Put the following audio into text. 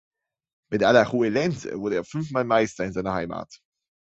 Mit Alajuelense wurde er fünf Mal Meister in seiner Heimat.